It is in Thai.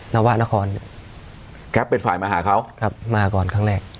นวะนครแก๊ปเป็นฝ่ายมาหาเขาครับมาก่อนครั้งแรก